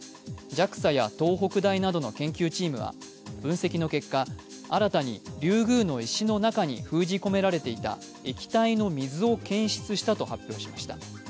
ＪＡＸＡや東北大などの研究チームは分析の結果、新たにリュウグウの石の中に封じ込められていた液体の水を検出したと発表しました。